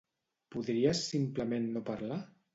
Podries simplement no parlar?